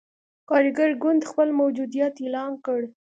کارګر ګوند خپل موجودیت اعلان کړ.